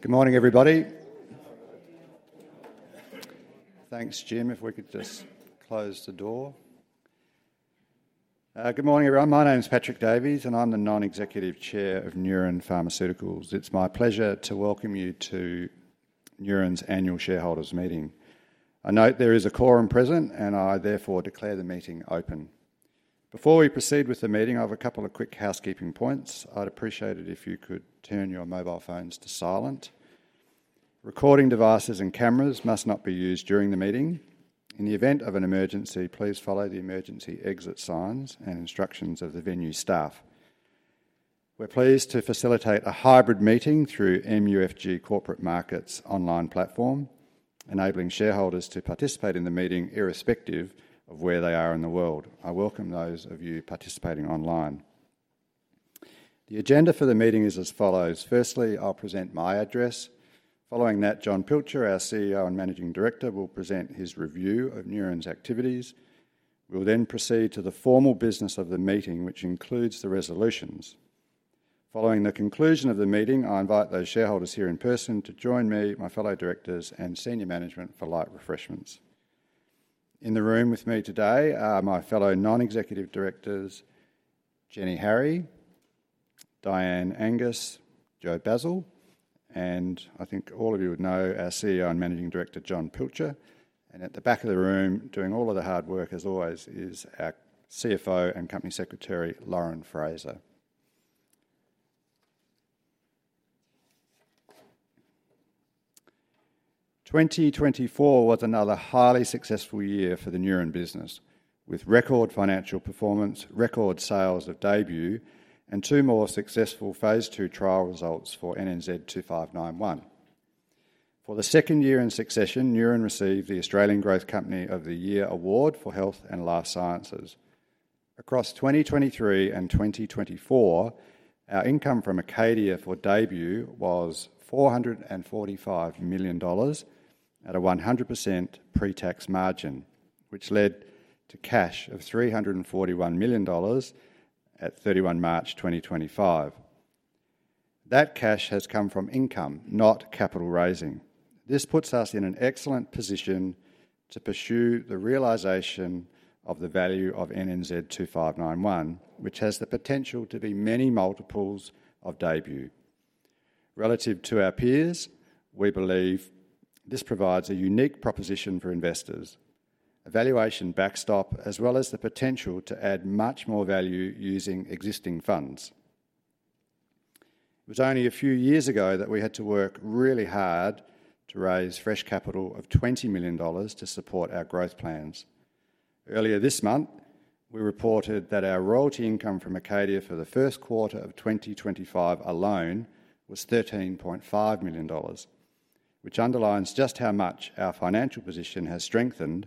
Good morning, everybody. Thanks, Jim. If we could just close the door. Good morning, everyone. My name is Patrick Davies, and I'm the Non-Executive Chair of Neuren Pharmaceuticals. It's my pleasure to welcome you to Neuren's annual shareholders meeting. I note there is a quorum present, and I therefore declare the meeting open. Before we proceed with the meeting, I have a couple of quick housekeeping points. I'd appreciate it if you could turn your mobile phones to silent. Recording devices and cameras must not be used during the meeting. In the event of an emergency, please follow the emergency exit signs and instructions of the venue staff. We're pleased to facilitate a hybrid meeting through MUFG Corporate Markets online platform, enabling shareholders to participate in the meeting irrespective of where they are in the world. I welcome those of you participating online. The agenda for the meeting is as follows. Firstly, I'll present my address. Following that, Jon Pilcher, our CEO and managing director, will present his review of Neuren's activities. We'll then proceed to the formal business of the meeting, which includes the resolutions. Following the conclusion of the meeting, I invite those shareholders here in person to join me, my fellow directors, and senior management for light refreshments. In the room with me today are my fellow non-executive directors, Jenny Harry, Dianne Angus, Joe Bassil, and I think all of you would know our CEO and managing director, Jon Pilcher. At the back of the room, doing all of the hard work, as always, is our CFO and company secretary, Lauren Fraser. 2024 was another highly successful year for the Neuren business, with record financial performance, record sales of DAYBUE, and two more successful phase two trial results for NNZ-2591. For the second year in succession, Neuren received the Australian Growth Company of the Year award for health and life sciences. Across 2023 and 2024, our income from for DAYBUE was $445 million at a 100% pre-tax margin, which led to cash of $341 million at 31 March 2025. That cash has come from income, not capital raising. This puts us in an excellent position to pursue the realization of the value of NNZ-2591, which has the potential to be many multiples of DAYBUE. Relative to our peers, we believe this provides a unique proposition for investors, a valuation backstop, as well as the potential to add much more value using existing funds. It was only a few years ago that we had to work really hard to raise fresh capital of $20 million to support our growth plans. Earlier this month, we reported that our royalty income from ACADIA for the first quarter of 2025 alone was $13.5 million, which underlines just how much our financial position has strengthened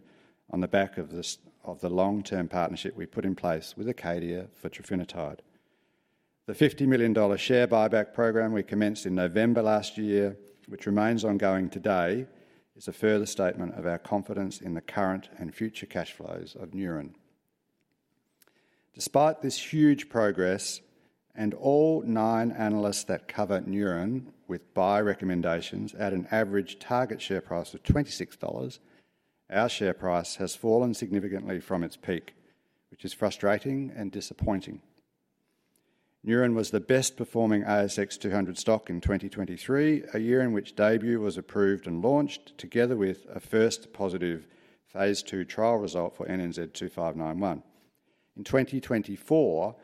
on the back of the long-term partnership we put in place with ACADIA for trofinetide. The $50 million share buyback program we commenced in November last year, which remains ongoing today, is a further statement of our confidence in the current and future cash flows of Neuren. Despite this huge progress and all nine analysts that cover Neuren with buy recommendations at an average target share price of $26, our share price has fallen significantly from its peak, which is frustrating and disappointing. Neuren was the best-performing ASX 200 stock in 2023, a year in which DAYBUE was approved and launched together with a first positive phase 2 trial result for NNZ-2591. In 2024,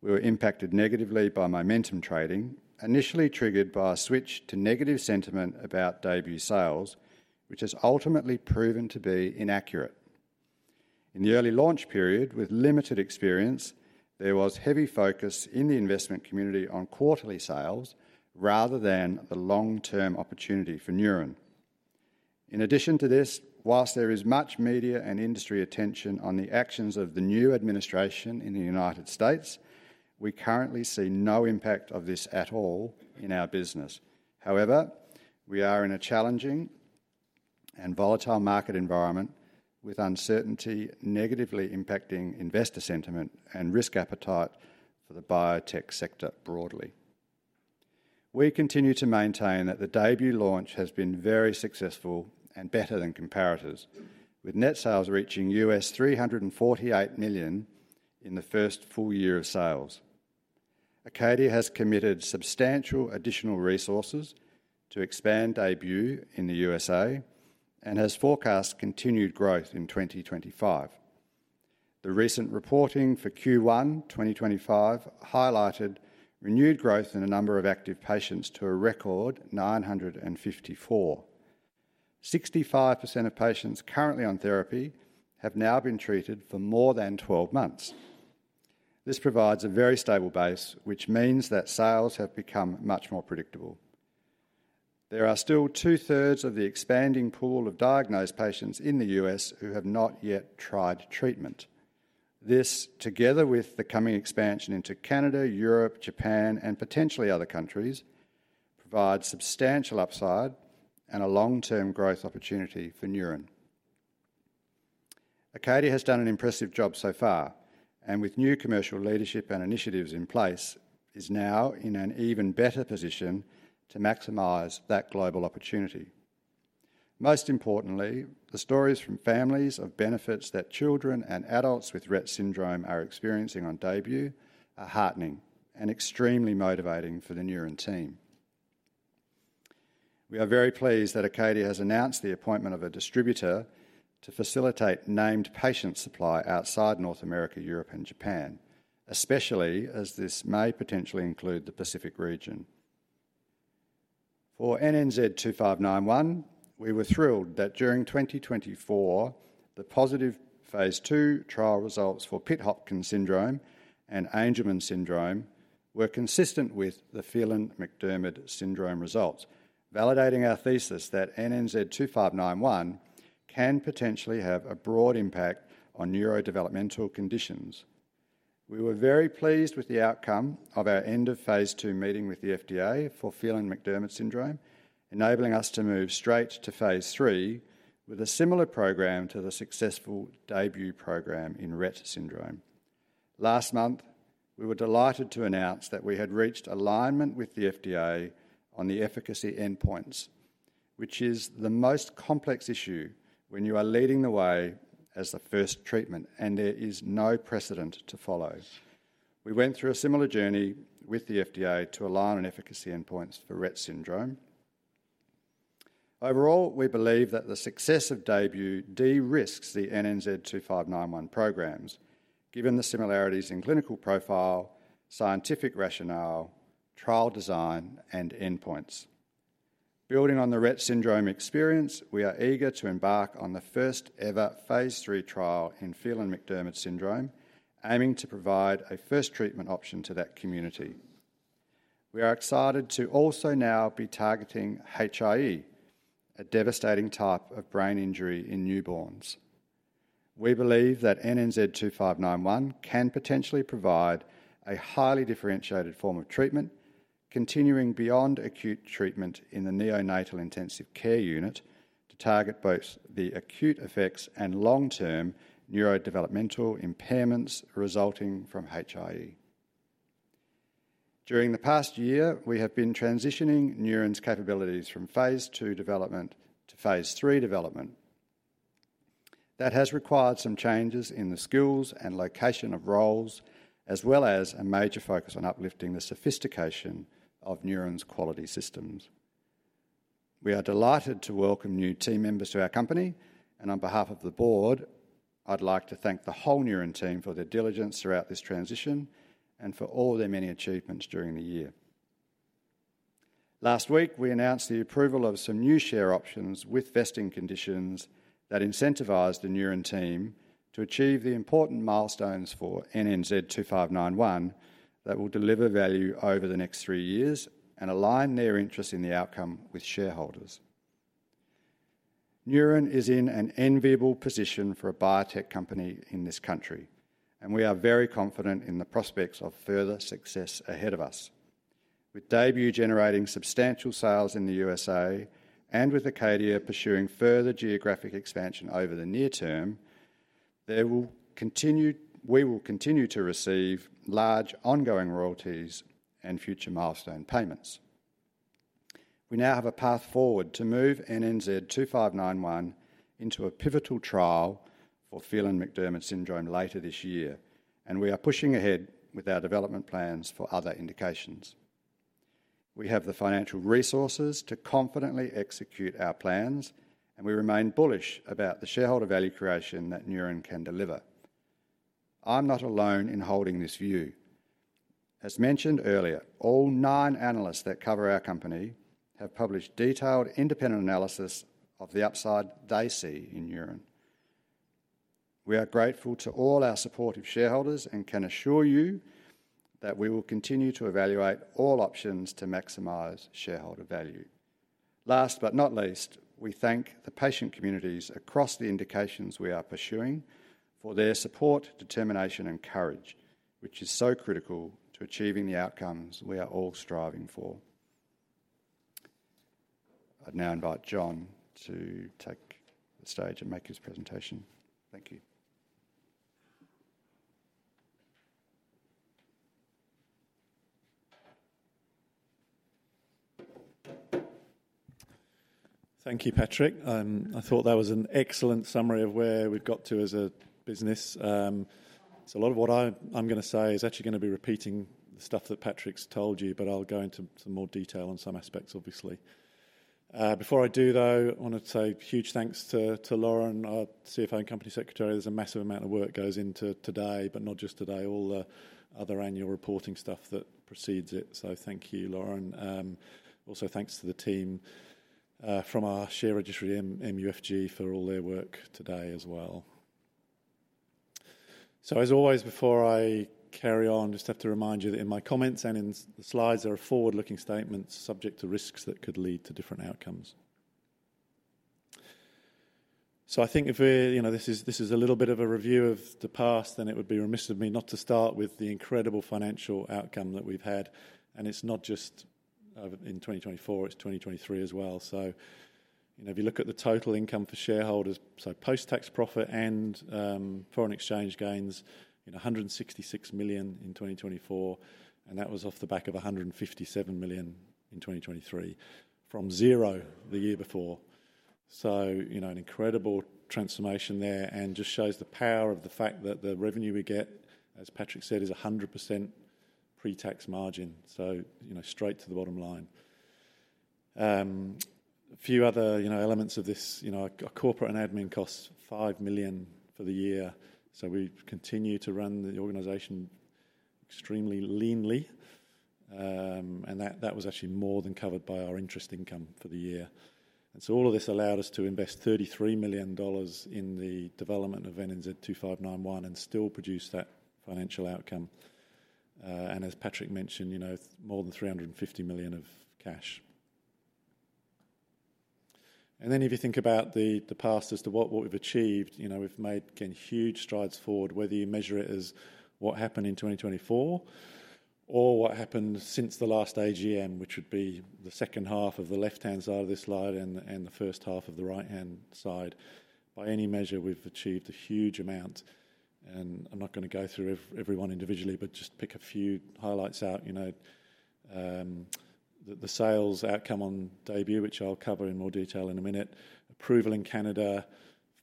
we were impacted negatively by momentum trading, initially triggered by a switch to negative sentiment about DAYBUE sales, which has ultimately proven to be inaccurate. In the early launch period, with limited experience, there was heavy focus in the investment community on quarterly sales rather than the long-term opportunity for Neuren. In addition to this, whilst there is much media and industry attention on the actions of the new administration in the United States, we currently see no impact of this at all in our business. However, we are in a challenging and volatile market environment with uncertainty negatively impacting investor sentiment and risk appetite for the biotech sector broadly. We continue to maintain that the DAYBUE launch has been very successful and better than comparatives, with net sales reaching 348 million in the first full year of sales. ACADIA has committed substantial additional resources to expand DAYBUE in the U.S.A and has forecast continued growth in 2025. The recent reporting for Q1 2025 highlighted renewed growth in the number of active patients to a record 954. 65% of patients currently on therapy have now been treated for more than 12 months. This provides a very stable base, which means that sales have become much more predictable. There are still two-thirds of the expanding pool of diagnosed patients in the U.S. who have not yet tried treatment. This, together with the coming expansion into Canada, Europe, Japan, and potentially other countries, provides substantial upside and a long-term growth opportunity for Neuren. ACADIA has done an impressive job so far, and with new commercial leadership and initiatives in place, is now in an even better position to maximize that global opportunity. Most importantly, the stories from families of benefits that children and adults with Rett syndrome are experiencing on DAYBUE are heartening and extremely motivating for the Neuren team. We are very pleased that ACADIA has announced the appointment of a distributor to facilitate named patient supply outside North America, Europe, and Japan, especially as this may potentially include the Pacific region. For NNZ-2591, we were thrilled that during 2024, the positive phase two trial results for Pitt-Hopkins syndrome and Angelman syndrome were consistent with the Phelan-McDermid syndrome results, validating our thesis that NNZ-2591 can potentially have a broad impact on neurodevelopmental conditions. We were very pleased with the outcome of our end of phase two meeting with the FDA for Phelan-McDermid syndrome, enabling us to move straight to phase three with a similar program to the successful DAYBUE program in Rett syndrome. Last month, we were delighted to announce that we had reached alignment with the FDA on the efficacy endpoints, which is the most complex issue when you are leading the way as the first treatment, and there is no precedent to follow. We went through a similar journey with the FDA to align on efficacy endpoints for Rett syndrome. Overall, we believe that the success of DAYBUE de-risks the NNZ-2591 programs, given the similarities in clinical profile, scientific rationale, trial design, and endpoints. Building on the Rett syndrome experience, we are eager to embark on the first-ever phase three trial in Phelan-McDermid syndrome, aiming to provide a first treatment option to that community. We are excited to also now be targeting HIE, a devastating type of brain injury in newborns. We believe that NNZ-2591 can potentially provide a highly differentiated form of treatment, continuing beyond acute treatment in the neonatal intensive care unit to target both the acute effects and long-term neurodevelopmental impairments resulting from HIE. During the past year, we have been transitioning Neuren's capabilities from phase two development to phase three development. That has required some changes in the skills and location of roles, as well as a major focus on uplifting the sophistication of Neuren's quality systems. We are delighted to welcome new team members to our company, and on behalf of the board, I'd like to thank the whole Neuren team for their diligence throughout this transition and for all their many achievements during the year. Last week, we announced the approval of some new share options with vesting conditions that incentivize the Neuren team to achieve the important milestones for NNZ-2591 that will deliver value over the next three years and align their interest in the outcome with shareholders. Neuren is in an enviable position for a biotech company in this country, and we are very confident in the prospects of further success ahead of us. With DAYBUE generating substantial sales in the United States and with ACADIA pursuing further geographic expansion over the near term, we will continue to receive large ongoing royalties and future milestone payments. We now have a path forward to move NNZ-2591 into a pivotal trial for Phelan-McDermid syndrome later this year, and we are pushing ahead with our development plans for other indications. We have the financial resources to confidently execute our plans, and we remain bullish about the shareholder value creation that Neuren can deliver. I'm not alone in holding this view. As mentioned earlier, all nine analysts that cover our company have published detailed independent analysis of the upside they see in Neuren. We are grateful to all our supportive shareholders and can assure you that we will continue to evaluate all options to maximize shareholder value. Last but not least, we thank the patient communities across the indications we are pursuing for their support, determination, and courage, which is so critical to achieving the outcomes we are all striving for. I'd now invite Jon to take the stage and make his presentation. Thank you. Thank you, Patrick. I thought that was an excellent summary of where we've got to as a business. A lot of what I'm going to say is actually going to be repeating the stuff that Patrick's told you, but I'll go into some more detail on some aspects, obviously. Before I do, though, I want to say huge thanks to Lauren, our CFO and company secretary. There's a massive amount of work that goes into today, but not just today, all the other annual reporting stuff that precedes it. Thank you, Lauren. Also, thanks to the team from our share registry, MUFG, for all their work today as well. As always, before I carry on, I just have to remind you that in my comments and in the slides are forward-looking statements subject to risks that could lead to different outcomes. I think if this is a little bit of a review of the past, then it would be remiss of me not to start with the incredible financial outcome that we've had. It's not just in 2024, it's 2023 as well. If you look at the total income for shareholders, so post-tax profit and foreign exchange gains, $166 million in 2024, and that was off the back of $157 million in 2023 from zero the year before. An incredible transformation there and just shows the power of the fact that the revenue we get, as Patrick said, is 100% pre-tax margin. Straight to the bottom line. A few other elements of this. Our corporate and admin costs 5 million for the year. We continue to run the organization extremely leanly. That was actually more than covered by our interest income for the year. All of this allowed us to invest $33 million in the development of NNZ-2591 and still produce that financial outcome. As Patrick mentioned, more than 350 million of cash. If you think about the past as to what we've achieved, we've made huge strides forward, whether you measure it as what happened in 2024 or what happened since the last AGM, which would be the second half of the left-hand side of this slide and the first half of the right-hand side. By any measure, we've achieved a huge amount. I'm not going to go through everyone individually, but just pick a few highlights out. The sales outcome on debut, which I'll cover in more detail in a minute, approval in Canada,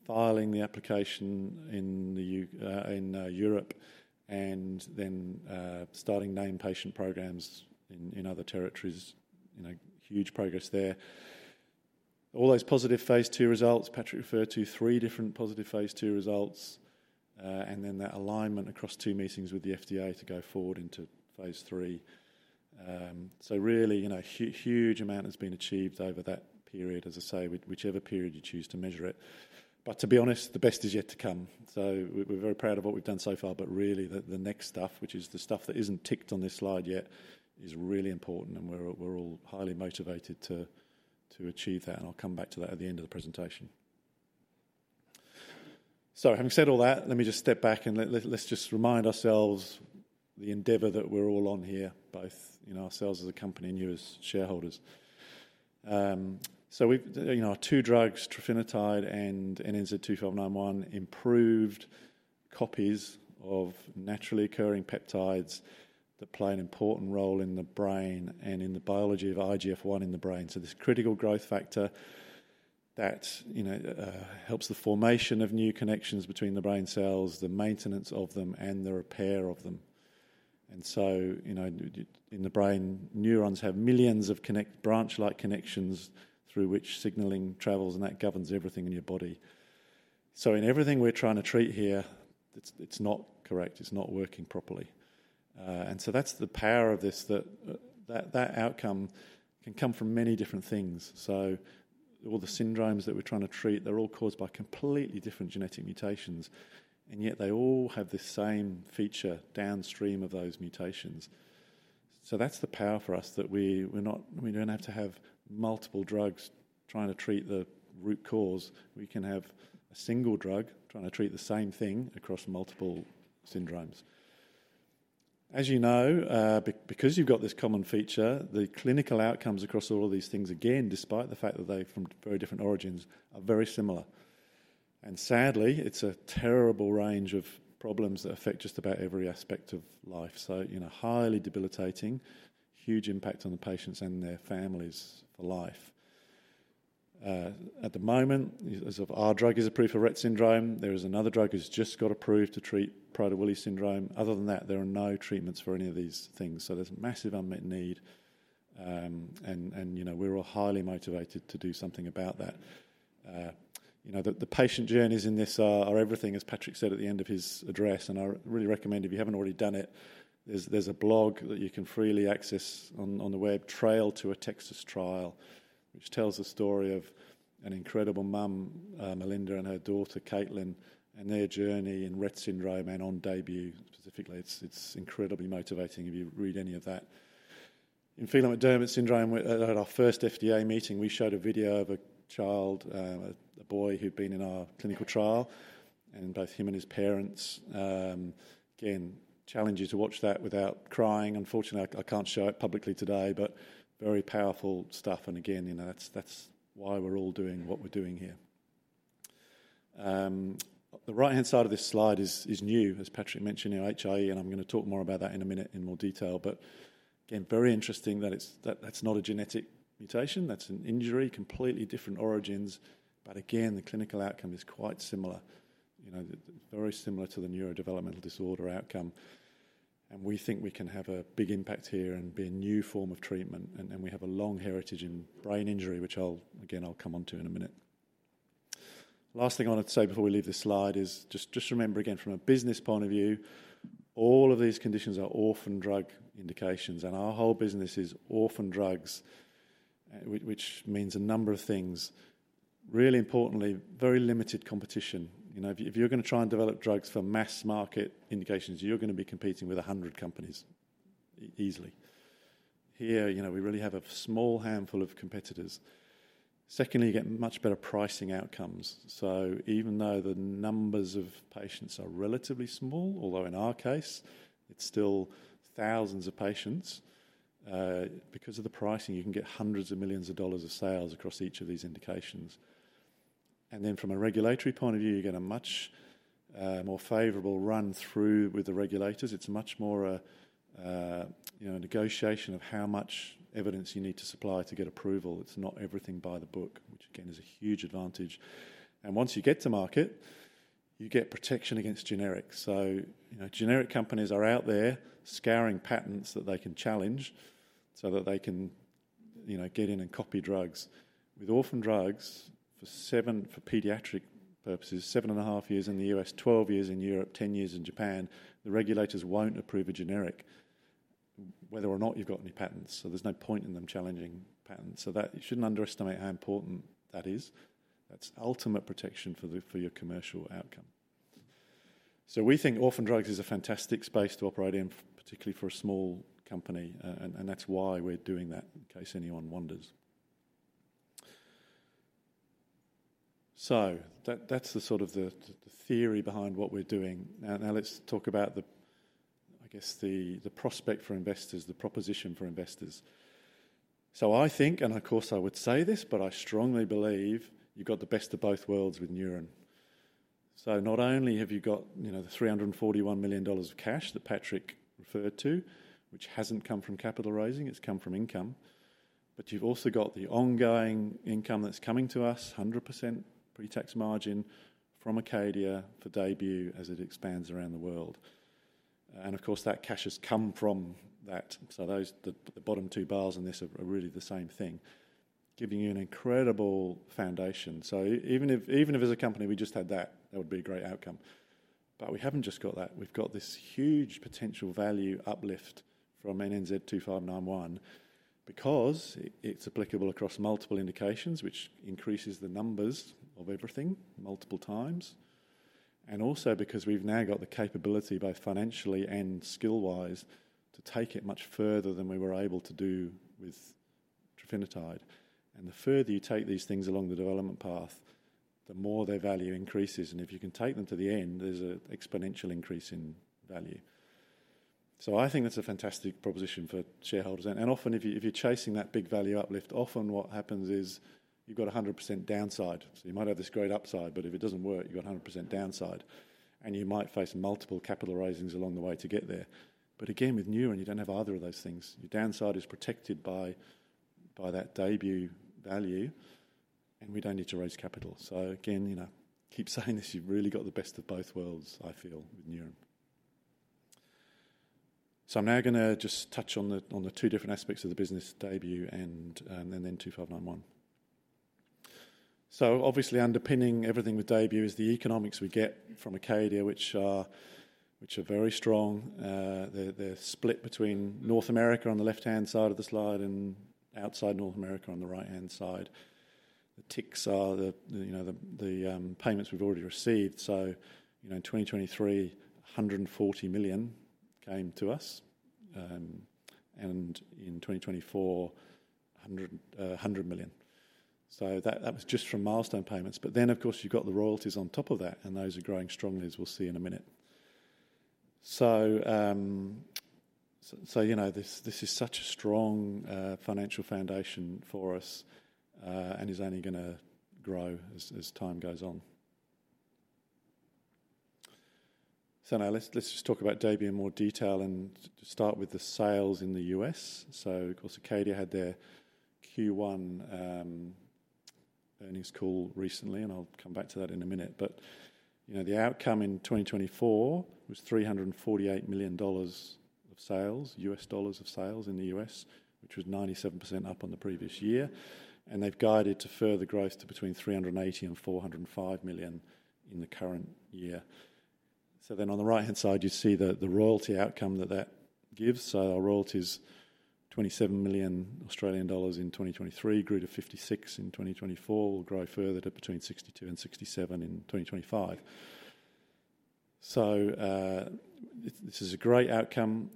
filing the application in Europe, and then starting named patient programs in other territories. Huge progress there. All those positive phase two results Patrick referred to, three different positive phase two results, and then that alignment across two meetings with the FDA to go forward into phase three. Really, a huge amount has been achieved over that period, as I say, whichever period you choose to measure it. To be honest, the best is yet to come. We're very proud of what we've done so far, but really the next stuff, which is the stuff that isn't ticked on this slide yet, is really important, and we're all highly motivated to achieve that. I'll come back to that at the end of the presentation. Having said all that, let me just step back and let's just remind ourselves the endeavor that we're all on here, both ourselves as a company and you as shareholders. Our two drugs, trofinetide and NNZ-2591, improved copies of naturally occurring peptides that play an important role in the brain and in the biology of IGF-1 in the brain. This critical growth factor helps the formation of new connections between the brain cells, the maintenance of them, and the repair of them. In the brain, neurons have millions of branch-like connections through which signaling travels, and that governs everything in your body. In everything we're trying to treat here, it's not correct. It's not working properly. That's the power of this, that that outcome can come from many different things. All the syndromes that we're trying to treat, they're all caused by completely different genetic mutations, and yet they all have this same feature downstream of those mutations. That's the power for us that we don't have to have multiple drugs trying to treat the root cause. We can have a single drug trying to treat the same thing across multiple syndromes. As you know, because you've got this common feature, the clinical outcomes across all of these things, again, despite the fact that they're from very different origins, are very similar. Sadly, it's a terrible range of problems that affect just about every aspect of life. Highly debilitating, huge impact on the patients and their families for life. At the moment, as our drug is approved for Rett syndrome, there is another drug that's just got approved to treat Prader-Willi syndrome. Other than that, there are no treatments for any of these things. So there's massive unmet need, and we're all highly motivated to do something about that. The patient journeys in this are everything, as Patrick said at the end of his address, and I really recommend if you haven't already done it, there's a blog that you can freely access on the web, Trail to a Texas Trial, which tells the story of an incredible mom, Melinda, and her daughter, Caitlin, and their journey in Rett syndrome and on DAYBUE specifically. It's incredibly motivating if you read any of that. In Phelan-McDermid syndrome, at our first FDA meeting, we showed a video of a child, a boy who'd been in our clinical trial, and both him and his parents. Again, challenge you to watch that without crying. Unfortunately, I can't show it publicly today, but very powerful stuff. Again, that's why we're all doing what we're doing here. The right-hand side of this slide is new, as Patrick mentioned, HIE, and I'm going to talk more about that in a minute in more detail. Again, very interesting that it's not a genetic mutation. That's an injury, completely different origins. Again, the clinical outcome is quite similar, very similar to the neurodevelopmental disorder outcome. We think we can have a big impact here and be a new form of treatment. We have a long heritage in brain injury, which I'll, again, I'll come on to in a minute. Last thing I wanted to say before we leave this slide is just remember, again, from a business point of view, all of these conditions are orphan drug indications, and our whole business is orphan drugs, which means a number of things. Really importantly, very limited competition. If you're going to try and develop drugs for mass market indications, you're going to be competing with 100 companies easily. Here, we really have a small handful of competitors. Secondly, you get much better pricing outcomes. Even though the numbers of patients are relatively small, although in our case, it's still thousands of patients, because of the pricing, you can get hundreds of millions of dollars of sales across each of these indications. From a regulatory point of view, you get a much more favorable run-through with the regulators. It's much more a negotiation of how much evidence you need to supply to get approval. It's not everything by the book, which again is a huge advantage. Once you get to market, you get protection against generics. Generic companies are out there scouring patents that they can challenge so that they can get in and copy drugs. With orphan drugs, for pediatric purposes, seven and a half years in the U.S., 12 years in Europe, 10 years in Japan, the regulators will not approve a generic whether or not you have any patents. There is no point in them challenging patents. You should not underestimate how important that is. That is ultimate protection for your commercial outcome. We think orphan drugs is a fantastic space to operate in, particularly for a small company. That is why we are doing that, in case anyone wonders. That is the sort of the theory behind what we are doing. Now let's talk about, I guess, the prospect for investors, the proposition for investors. I think, and of course I would say this, but I strongly believe you've got the best of both worlds with Neuren. Not only have you got the $341 million of cash that Patrick referred to, which has not come from capital raising, it has come from income, but you've also got the ongoing income that is coming to us, 100% pre-tax margin from ACADIA for DAYBUE as it expands around the world. That cash has come from that. The bottom two bars in this are really the same thing, giving you an incredible foundation. Even if, as a company, we just had that, that would be a great outcome. We have not just got that. We have this huge potential value uplift from NNZ-2591 because it is applicable across multiple indications, which increases the numbers of everything multiple times. Also because we have now got the capability both financially and skill-wise to take it much further than we were able to do with trofinetide. The further you take these things along the development path, the more their value increases. If you can take them to the end, there is an exponential increase in value. I think that is a fantastic proposition for shareholders. Often, if you are chasing that big value uplift, what happens is you have 100% downside. You might have this great upside, but if it does not work, you have 100% downside. You might face multiple capital raisings along the way to get there. Again, with Neuren, you do not have either of those things. Your downside is protected by that DAYBUE value, and we do not need to raise capital. Again, keep saying this, you've really got the best of both worlds, I feel, with Neuren. I'm now going to just touch on the two different aspects of the business, DAYBUE and NNZ-2591. Obviously, underpinning everything with DAYBUE is the economics we get from ACADIA, which are very strong. They're split between North America on the left-hand side of the slide and outside North America on the right-hand side. The ticks are the payments we've already received. In 2023, $140 million came to us, and in 2024, 100 million. That was just from milestone payments. Of course, you've got the royalties on top of that, and those are growing strongly, as we'll see in a minute. This is such a strong financial foundation for us and is only going to grow as time goes on. Now let's just talk about DAYBUE in more detail and start with the sales in the U.S. Of course, ACADIA had their Q1 earnings call recently, and I'll come back to that in a minute. The outcome in 2024 was $348 million of sales, U.S. dollars of sales in the U.S., which was 97% up on the previous year. They've guided to further growth to between $380 million and $405 million in the current year. On the right-hand side, you see the royalty outcome that that gives. Our royalties are $27 million in 2023, grew to $56 million in 2024, will grow further to between $62 million and $67 million in 2025. This is a great outcome.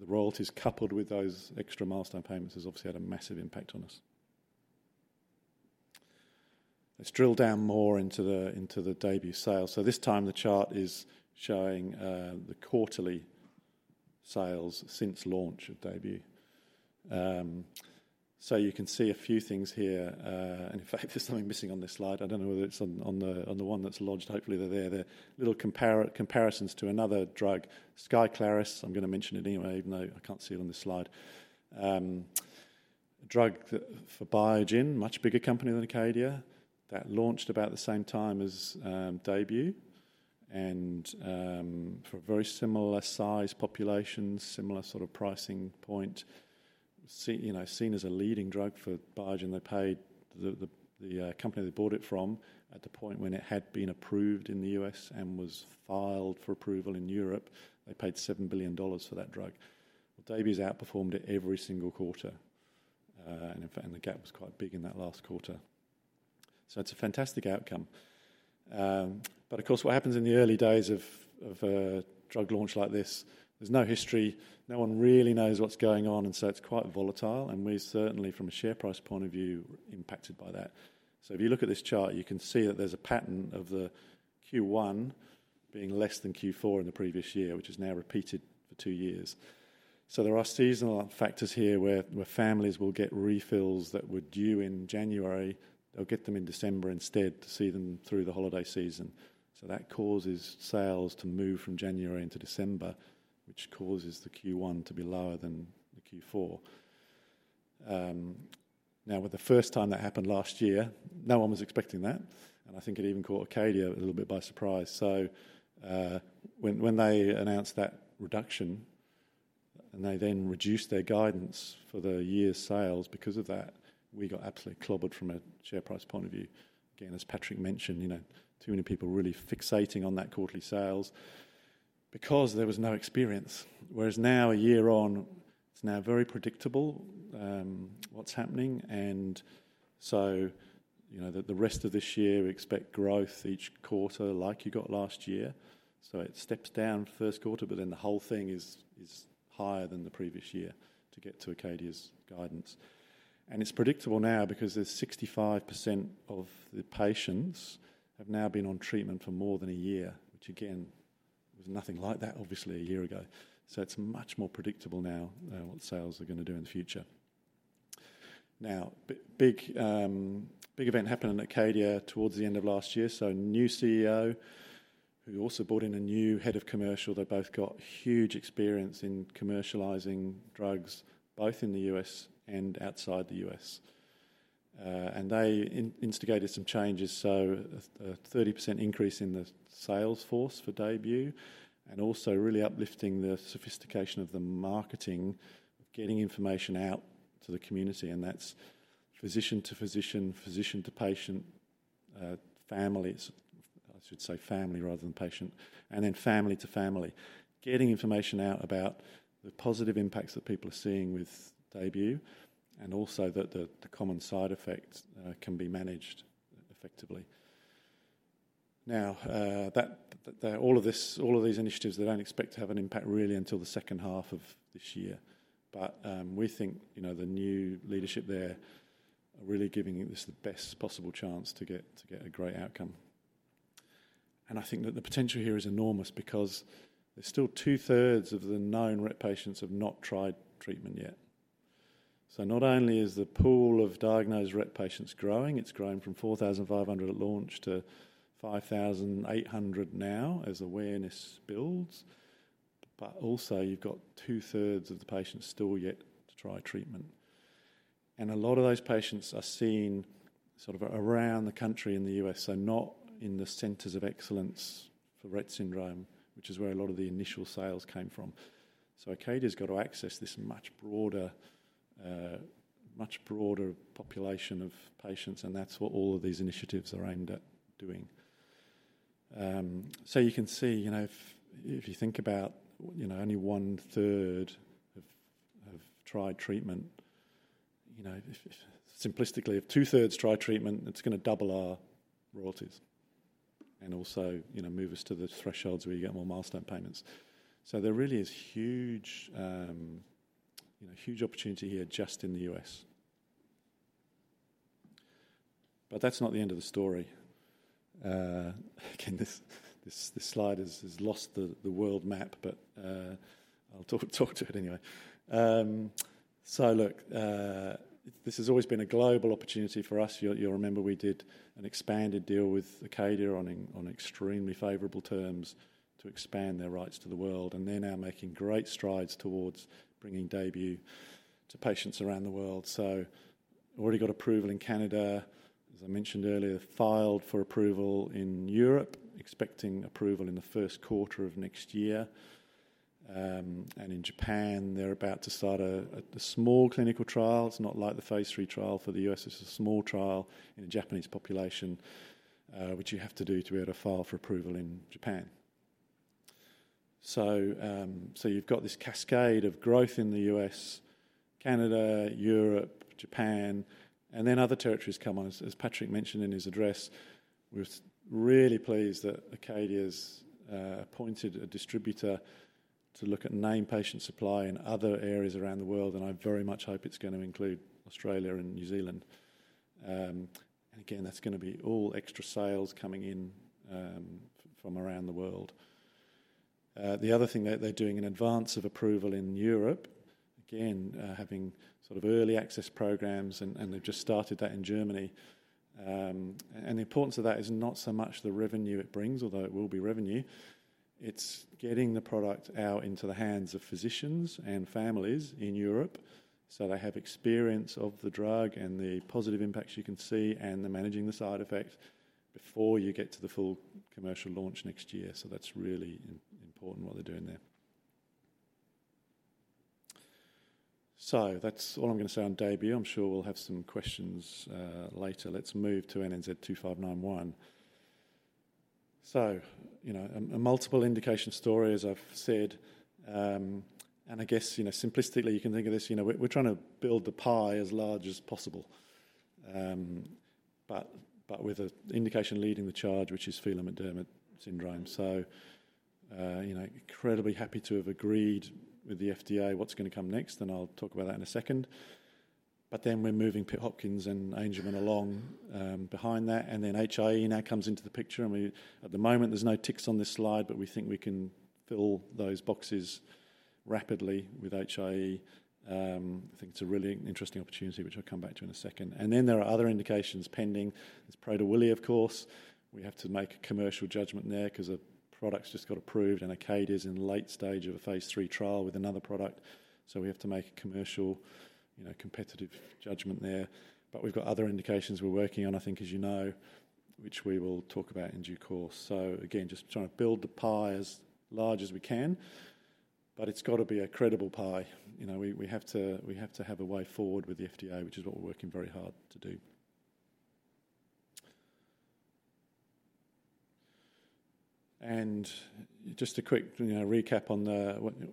The royalties coupled with those extra milestone payments has obviously had a massive impact on us. Let's drill down more into the DAYBUE sales. This time, the chart is showing the quarterly sales since launch of DAYBUE. You can see a few things here. In fact, there's something missing on this slide. I don't know whether it's on the one that's lodged. Hopefully, they're there. They're little comparisons to another drug, SKYCLARYS. I'm going to mention it anyway, even though I can't see it on this slide. A drug for Biogen, a much bigger company than ACADIA, that launched about the same time as DAYBUE and for a very similar size population, similar sort of pricing point, seen as a leading drug for Biogen. They paid the company they bought it from at the point when it had been approved in the U.S. and was filed for approval in Europe. They paid $7 billion for that drug. DAYBUE has outperformed it every single quarter, and the gap was quite big in that last quarter. It is a fantastic outcome. Of course, what happens in the early days of a drug launch like this, there is no history. No one really knows what is going on, and it is quite volatile. We are certainly, from a share price point of view, impacted by that. If you look at this chart, you can see that there is a pattern of the Q1 being less than Q4 in the previous year, which has now repeated for two years. There are seasonal factors here where families will get refills that were due in January. They will get them in December instead to see them through the holiday season. That causes sales to move from January into December, which causes the Q1 to be lower than the Q4. Now, with the first time that happened last year, no one was expecting that. I think it even caught ACADIA a little bit by surprise. When they announced that reduction and they then reduced their guidance for the year's sales because of that, we got absolutely clobbered from a share price point of view. Again, as Patrick mentioned, too many people really fixating on that quarterly sales because there was no experience. Whereas now, a year on, it is now very predictable what is happening. The rest of this year, we expect growth each quarter like you got last year. It steps down first quarter, but then the whole thing is higher than the previous year to get to ACADIA's guidance. It is predictable now because 65% of the patients have now been on treatment for more than a year, which again, there was nothing like that, obviously, a year ago. It is much more predictable now what sales are going to do in the future. A big event happened in ACADIA towards the end of last year. A new CEO who also brought in a new head of commercial. They both have huge experience in commercializing drugs both in the U.S. and outside the U.S., they instigated some changes. A 30% increase in the sales force for DAYBUE and also really uplifting the sophistication of the marketing, getting information out to the community. That is physician to physician, physician to patient, family, I should say family rather than patient, and then family to family, getting information out about the positive impacts that people are seeing with DAYBUE and also that the common side effects can be managed effectively. Now, all of these initiatives, they do not expect to have an impact really until the second half of this year. We think the new leadership there are really giving this the best possible chance to get a great outcome. I think that the potential here is enormous because there are still two-thirds of the known Rett patients who have not tried treatment yet. Not only is the pool of diagnosed Rett patients growing, it has grown from 4,500 at launch to 5,800 now as awareness builds, but also you have two-thirds of the patients still yet to try treatment. A lot of those patients are seen sort of around the country in the U.S., so not in the centers of excellence for Rett syndrome, which is where a lot of the initial sales came from. ACADIA's got to access this much broader population of patients, and that's what all of these initiatives are aimed at doing. You can see if you think about only one-third have tried treatment, simplistically, if two-thirds try treatment, it's going to double our royalties and also move us to the thresholds where you get more milestone payments. There really is huge opportunity here just in the U.S. That's not the end of the story. Again, this slide has lost the world map, but I'll talk to it anyway. Look, this has always been a global opportunity for us. You'll remember we did an expanded deal with ACADIA on extremely favorable terms to expand their rights to the world. They're now making great strides towards bringing DAYBUE to patients around the world. Already got approval in Canada, as I mentioned earlier, filed for approval in Europe, expecting approval in the first quarter of next year. In Japan, they're about to start a small clinical trial. It's not like the phase three trial for the US. It's a small trial in a Japanese population, which you have to do to be able to file for approval in Japan. You've got this cascade of growth in the US, Canada, Europe, Japan, and then other territories come on. As Patrick mentioned in his address, we're really pleased that ACADIA's appointed a distributor to look at name patient supply in other areas around the world. I very much hope it's going to include Australia and New Zealand. Again, that's going to be all extra sales coming in from around the world. The other thing they're doing in advance of approval in Europe, again, having sort of early access programs, and they've just started that in Germany. The importance of that is not so much the revenue it brings, although it will be revenue. It's getting the product out into the hands of physicians and families in Europe so they have experience of the drug and the positive impacts you can see and managing the side effects before you get to the full commercial launch next year. That's really important what they're doing there. That's all I'm going to say on DAYBUE. I'm sure we'll have some questions later. Let's move to NNZ-2591. A multiple indication story, as I've said. I guess simplistically, you can think of this. We're trying to build the pie as large as possible, but with an indication leading the charge, which is Phelan-McDermid syndrome. Incredibly happy to have agreed with the FDA what's going to come next, and I'll talk about that in a second. We're moving Pitt-Hopkins and Angelman along behind that. HIE now comes into the picture. At the moment, there's no ticks on this slide, but we think we can fill those boxes rapidly with HIE. I think it's a really interesting opportunity, which I'll come back to in a second. There are other indications pending. It's Prader-Willi, of course. We have to make a commercial judgment there because a product's just got approved, and ACADIA's in late stage of a phase 3 trial with another product. We have to make a commercial competitive judgment there. We've got other indications we're working on, I think, as you know, which we will talk about in due course. Again, just trying to build the pie as large as we can, but it's got to be a credible pie. We have to have a way forward with the FDA, which is what we're working very hard to do. Just a quick recap on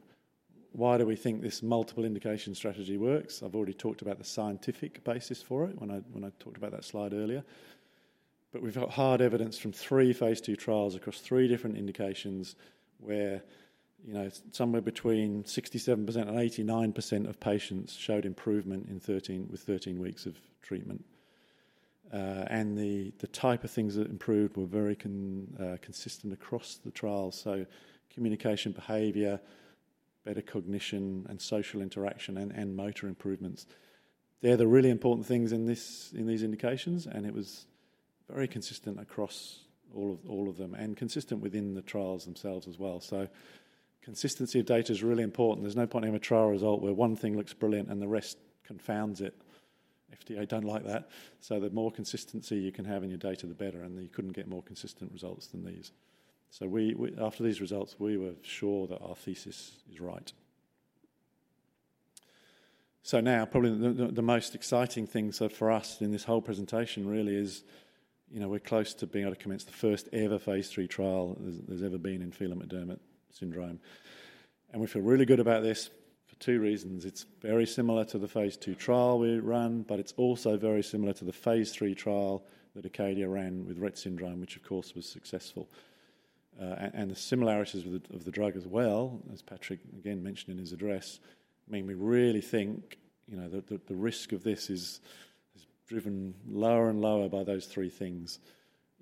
why do we think this multiple indication strategy works. I've already talked about the scientific basis for it when I talked about that slide earlier. We have hard evidence from three phase two trials across three different indications where somewhere between 67% and 89% of patients showed improvement with 13 weeks of treatment. The type of things that improved were very consistent across the trials: communication, behavior, better cognition, and social interaction and motor improvements. They are the really important things in these indications, and it was very consistent across all of them and consistent within the trials themselves as well. Consistency of data is really important. There is no point in a trial result where one thing looks brilliant and the rest confounds it. FDA do not like that. The more consistency you can have in your data, the better. You could not get more consistent results than these. After these results, we were sure that our thesis is right. Now, probably the most exciting thing for us in this whole presentation really is we're close to being able to commence the first ever phase three trial there's ever been in Phelan-McDermid syndrome. We feel really good about this for two reasons. It's very similar to the phase two trial we run, but it's also very similar to the phase three trial that ACADIA ran with Rett syndrome, which, of course, was successful. The similarities of the drug as well, as Patrick again mentioned in his address, mean we really think the risk of this is driven lower and lower by those three things.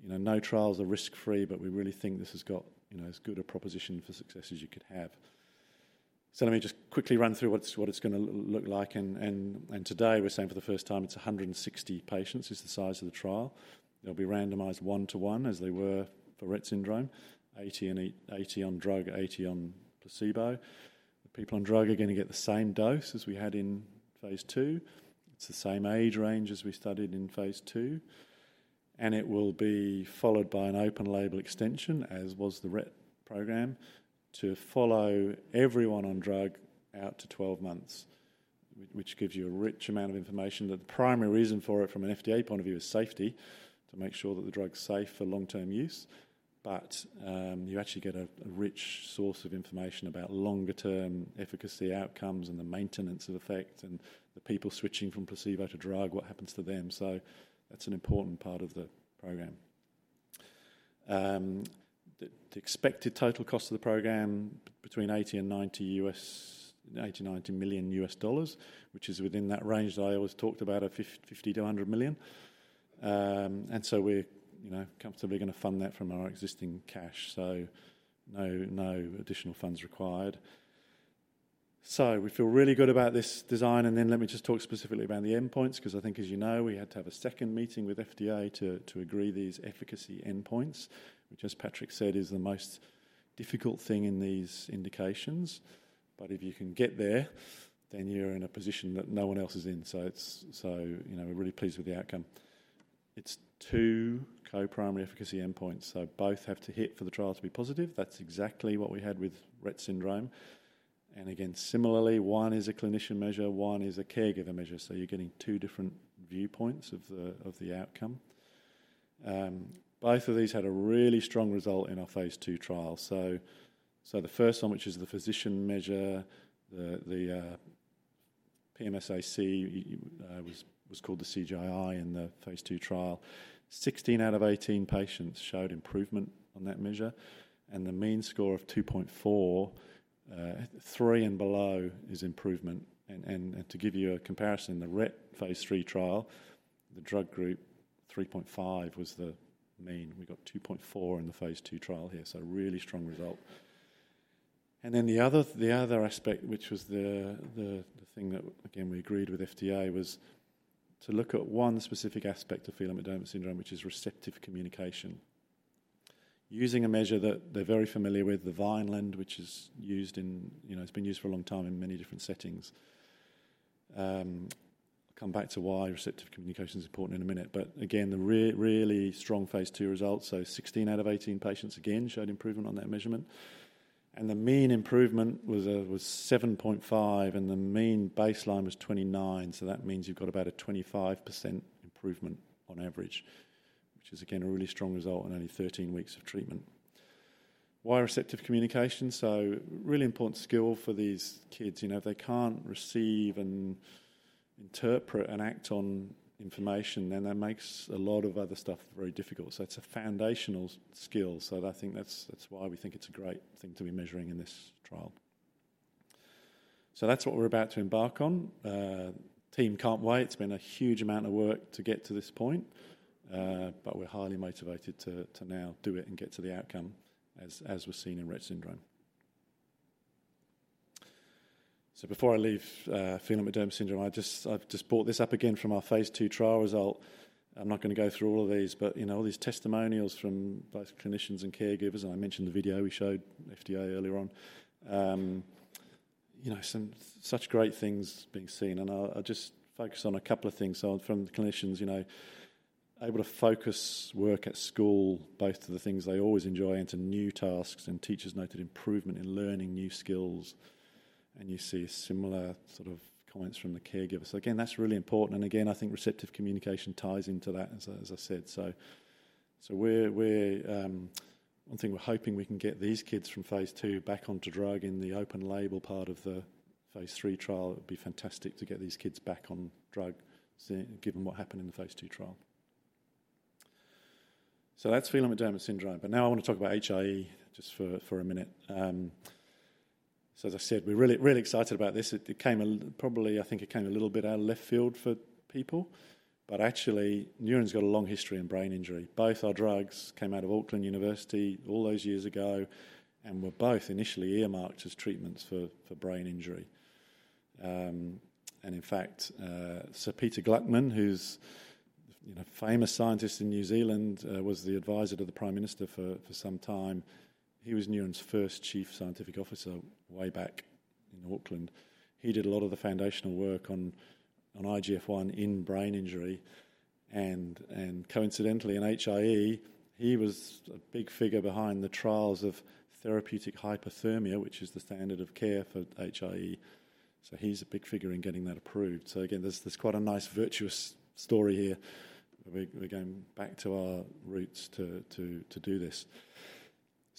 No trials are risk-free, but we really think this has got as good a proposition for success as you could have. Let me just quickly run through what it's going to look like. Today, we're saying for the first time it's 160 patients is the size of the trial. They'll be randomized one-to-one as they were for Rett syndrome, 80 on drug, 80 on placebo. The people on drug are going to get the same dose as we had in phase two. It's the same age range as we studied in phase two. It will be followed by an open label extension, as was the Rett program, to follow everyone on drug out to 12 months, which gives you a rich amount of information that the primary reason for it from an FDA point of view is safety to make sure that the drug's safe for long-term use. You actually get a rich source of information about longer-term efficacy outcomes and the maintenance of effect and the people switching from placebo to drug, what happens to them. That's an important part of the program. The expected total cost of the program, between $80 million and $90 million, which is within that range that I always talked about of $50 million-$100 million. We're comfortably going to fund that from our existing cash. No additional funds required. We feel really good about this design. Let me just talk specifically about the endpoints because I think, as you know, we had to have a second meeting with the FDA to agree these efficacy endpoints, which, as Patrick said, is the most difficult thing in these indications. If you can get there, then you're in a position that no one else is in. We're really pleased with the outcome. It's two co-primary efficacy endpoints. Both have to hit for the trial to be positive. That's exactly what we had with Rett syndrome. And again, similarly, one is a clinician measure, one is a caregiver measure. So you're getting two different viewpoints of the outcome. Both of these had a really strong result in our phase two trial. So the first one, which is the physician measure, the PMSAC was called the CGII in the phase two trial. 16 out of 18 patients showed improvement on that measure. And the mean score of 2.4, three and below is improvement. And to give you a comparison, the Rett phase three trial, the drug group, 3.5 was the mean. We got 2.4 in the phase two trial here. So really strong result. And then the other aspect, which was the thing that, again, we agreed with FDA, was to look at one specific aspect of Phelan-McDermid syndrome, which is receptive communication. Using a measure that they're very familiar with, the Vineland, which has been used for a long time in many different settings. I'll come back to why receptive communication is important in a minute. Again, the really strong phase two results. Sixteen out of eighteen patients again showed improvement on that measurement. The mean improvement was 7.5, and the mean baseline was 29. That means you've got about a 25% improvement on average, which is, again, a really strong result in only 13 weeks of treatment. Why receptive communication? Really important skill for these kids. If they can't receive and interpret and act on information, that makes a lot of other stuff very difficult. It's a foundational skill. I think that's why we think it's a great thing to be measuring in this trial. That's what we're about to embark on. Team can't wait. It's been a huge amount of work to get to this point, but we're highly motivated to now do it and get to the outcome as we're seeing in Rett syndrome. Before I leave Phelan-McDermid syndrome, I've just brought this up again from our phase two trial result. I'm not going to go through all of these, but all these testimonials from both clinicians and caregivers, and I mentioned the video we showed FDA earlier on, such great things being seen. I'll just focus on a couple of things. From the clinicians, able to focus work at school, both of the things they always enjoy, and to new tasks. Teachers noted improvement in learning new skills. You see similar sort of comments from the caregivers. Again, that's really important. Again, I think receptive communication ties into that, as I said. One thing we're hoping we can get these kids from phase two back onto drug in the open label part of the phase three trial. It would be fantastic to get these kids back on drug given what happened in the phase two trial. That's Phelan-McDermid syndrome. Now I want to talk about HIE just for a minute. As I said, we're really excited about this. Probably, I think it came a little bit out of left field for people, but actually, Neuren's got a long history in brain injury. Both our drugs came out of Auckland University all those years ago, and were both initially earmarked as treatments for brain injury. In fact, Sir Peter Gluckman, who's a famous scientist in New Zealand, was the advisor to the Prime Minister for some time. He was Neuren's first chief scientific officer way back in Auckland. He did a lot of the foundational work on IGF-1 in brain injury. And coincidentally, in HIE, he was a big figure behind the trials of therapeutic hypothermia, which is the standard of care for HIE. He is a big figure in getting that approved. Again, there is quite a nice virtuous story here. We are going back to our roots to do this.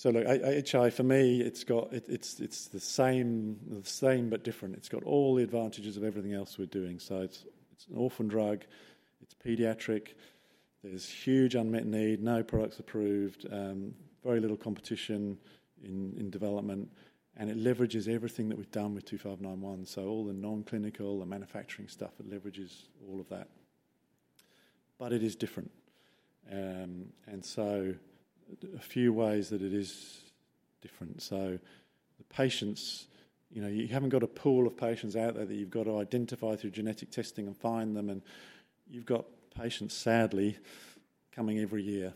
Look, HIE, for me, it is the same but different. It has all the advantages of everything else we are doing. It is an orphan drug. It is paediatric. There is huge unmet need, no products approved, very little competition in development. It leverages everything that we have done with 2591. All the non-clinical, the manufacturing stuff, it leverages all of that. It is different. A few ways that it is different. The patients, you have not got a pool of patients out there that you have to identify through genetic testing and find them. You have patients, sadly, coming every year.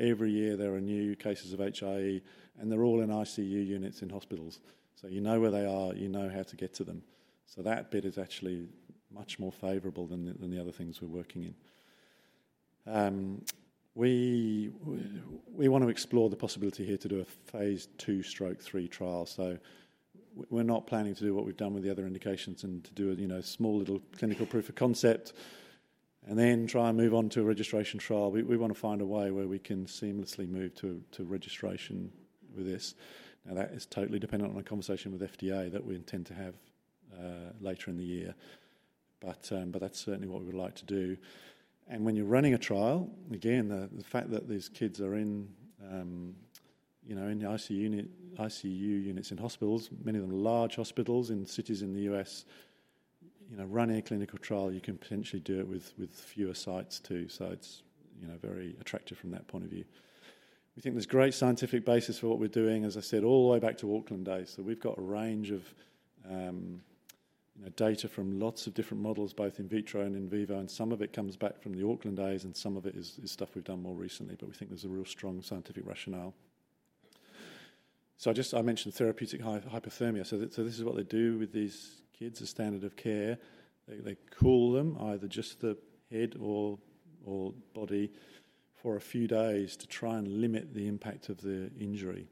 Every year, there are new cases of HIE, and they are all in ICU units in hospitals. You know where they are. You know how to get to them. That bit is actually much more favorable than the other things we are working in. We want to explore the possibility here to do a phase two-three trial. We are not planning to do what we have done with the other indications and to do a small little clinical proof of concept and then try and move on to a registration trial. We want to find a way where we can seamlessly move to registration with this. Now, that is totally dependent on a conversation with FDA that we intend to have later in the year. That is certainly what we would like to do. When you're running a trial, again, the fact that these kids are in the ICU units in hospitals, many of them large hospitals in cities in the U.S., running a clinical trial, you can potentially do it with fewer sites too. It is very attractive from that point of view. We think there's great scientific basis for what we're doing, as I said, all the way back to Auckland days. We have a range of data from lots of different models, both in vitro and in vivo. Some of it comes back from the Auckland days, and some of it is stuff we've done more recently. We think there's a real strong scientific rationale. I mentioned therapeutic hypothermia. This is what they do with these kids, a standard of care. They cool them, either just the head or body for a few days to try and limit the impact of the injury.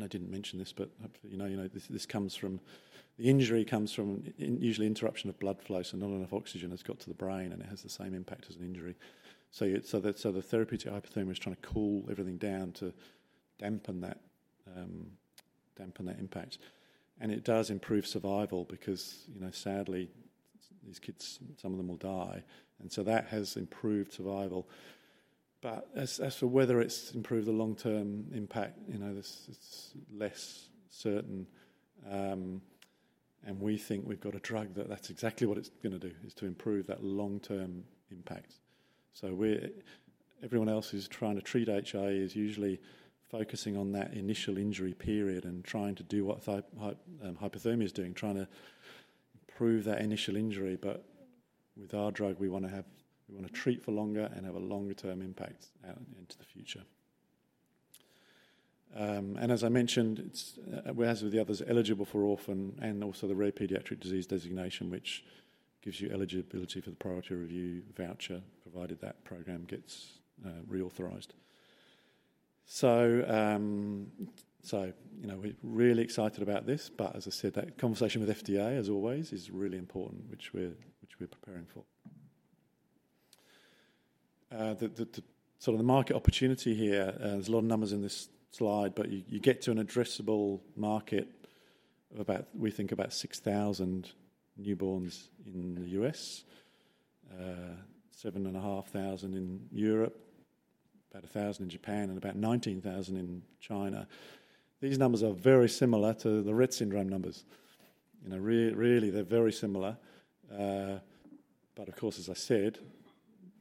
I did not mention this, but this comes from the injury coming from usually interruption of blood flow. Not enough oxygen has got to the brain, and it has the same impact as an injury. The therapeutic hypothermia is trying to cool everything down to dampen that impact. It does improve survival because, sadly, these kids, some of them will die. That has improved survival. As for whether it has improved the long-term impact, it is less certain. We think we have got a drug that that is exactly what it is going to do, is to improve that long-term impact. Everyone else who's trying to treat HIE is usually focusing on that initial injury period and trying to do what hypothermia is doing, trying to improve that initial injury. With our drug, we want to treat for longer and have a longer-term impact into the future. As I mentioned, as with the others, eligible for orphan and also the rare pediatric disease designation, which gives you eligibility for the priority review voucher provided that program gets reauthorized. We're really excited about this. As I said, that conversation with FDA, as always, is really important, which we're preparing for. Sort of the market opportunity here, there's a lot of numbers in this slide, but you get to an addressable market of about, we think, about 6,000 newborns in the U.S., 7,500 in Europe, about 1,000 in Japan, and about 19,000 in China. These numbers are very similar to the Rett syndrome numbers. Really, they're very similar. Of course, as I said,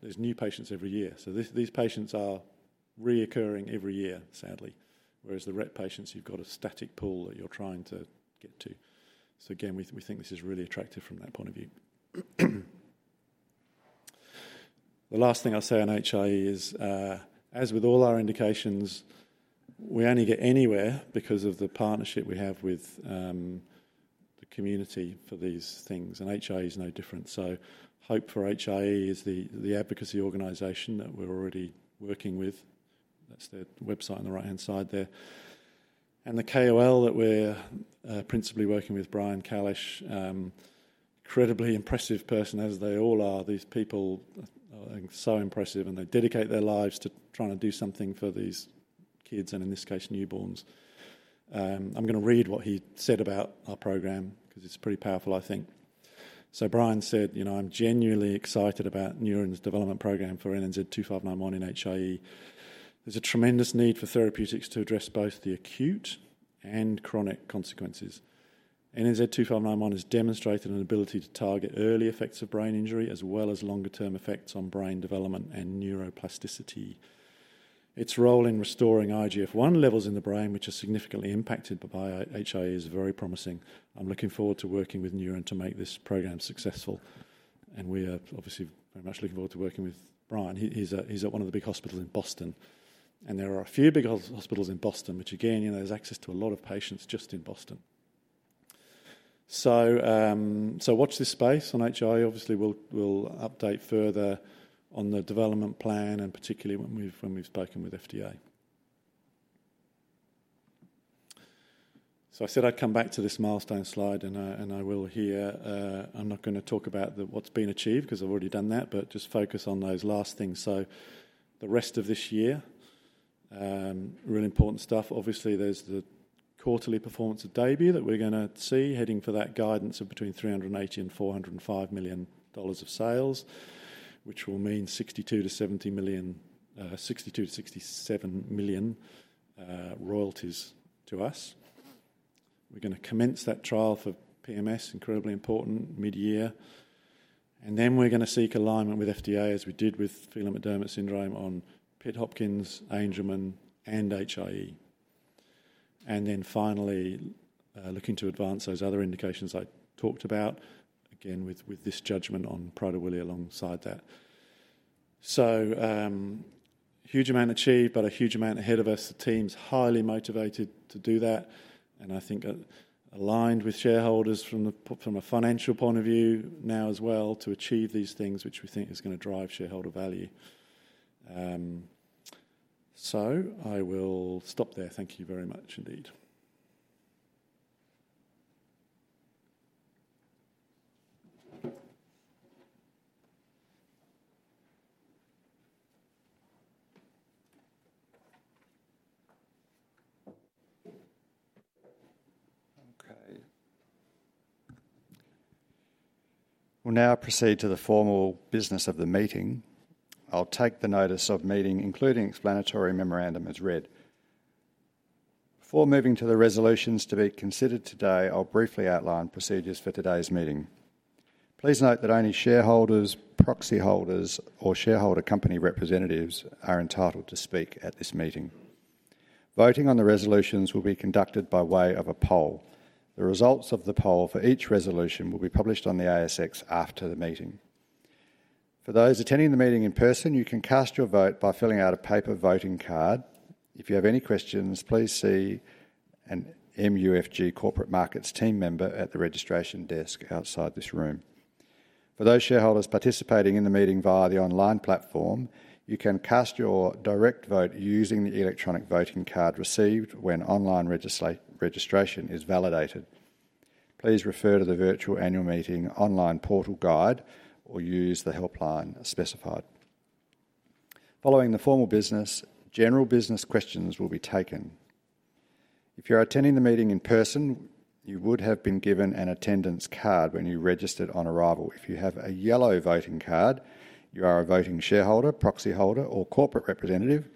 there's new patients every year. These patients are reoccurring every year, sadly, whereas the Rett patients, you've got a static pool that you're trying to get to. Again, we think this is really attractive from that point of view. The last thing I'll say on HIE is, as with all our indications, we only get anywhere because of the partnership we have with the community for these things. HIE is no different. Hope for HIE is the advocacy organization that we're already working with. That's their website on the right-hand side there. The KOL that we're principally working with, Brian Kallisch, incredibly impressive person, as they all are. These people are so impressive, and they dedicate their lives to trying to do something for these kids, and in this case, newborns. I'm going to read what he said about our program because it's pretty powerful, I think. Brian said, "I'm genuinely excited about Neuren's development program for NNZ-2591 in HIE. There's a tremendous need for therapeutics to address both the acute and chronic consequences. NNZ-2591 has demonstrated an ability to target early effects of brain injury as well as longer-term effects on brain development and neuroplasticity. Its role in restoring IGF-1 levels in the brain, which are significantly impacted by HIE, is very promising. I'm looking forward to working with Neuren to make this program successful." We are obviously very much looking forward to working with Brian. He's at one of the big hospitals in Boston. There are a few big hospitals in Boston, which, again, there's access to a lot of patients just in Boston. Watch this space on HIE. Obviously, we'll update further on the development plan and particularly when we've spoken with the FDA. I said I'd come back to this milestone slide, and I will here. I'm not going to talk about what's been achieved because I've already done that, but just focus on those last things. The rest of this year, really important stuff. Obviously, there's the quarterly performance of DAYBUE that we're going to see heading for that guidance of between $380 million and $405 million of sales, which will mean $62 million-$67 million royalties to us. We're going to commence that trial for PMS, incredibly important, mid-year. We're going to seek alignment with FDA as we did with Phelan-McDermid syndrome on Pitt-Hopkins, Angelman, and HIE. Finally, looking to advance those other indications I talked about, again, with this judgment on Prader-Willi alongside that. Huge amount achieved, but a huge amount ahead of us. The team's highly motivated to do that. I think aligned with shareholders from a financial point of view now as well to achieve these things, which we think is going to drive shareholder value. I will stop there. Thank you very much indeed. Okay. We'll now proceed to the formal business of the meeting. I'll take the notice of meeting, including explanatory memorandum as read. Before moving to the resolutions to be considered today, I'll briefly outline procedures for today's meeting. Please note that only shareholders, proxy holders, or shareholder company representatives are entitled to speak at this meeting. Voting on the resolutions will be conducted by way of a poll. The results of the poll for each resolution will be published on the ASX after the meeting. For those attending the meeting in person, you can cast your vote by filling out a paper voting card. If you have any questions, please see an MUFG Corporate Markets team member at the registration desk outside this room. For those shareholders participating in the meeting via the online platform, you can cast your direct vote using the electronic voting card received when online registration is validated. Please refer to the virtual annual meeting online portal guide or use the helpline specified. Following the formal business, general business questions will be taken. If you're attending the meeting in person, you would have been given an attendance card when you registered on arrival. If you have a yellow voting card, you are a voting shareholder, proxy holder, or corporate representative